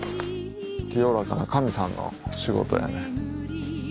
清らかな神さんの仕事やね。